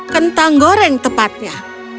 kentang goreng tepatnya